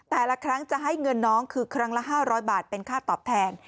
แต่ละครั้งจะให้เงินน้องคือครั้งละ๕๐๐บาทเป็นค่าตอบแทน